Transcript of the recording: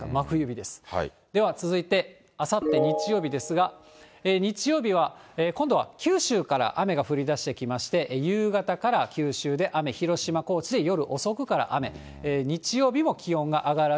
では続いてあさって日曜日ですが、日曜日は今度は九州から雨が降りだしてきまして、夕方から九州で雨、広島、高知で夜遅くから雨、日曜日も気温が上がらず。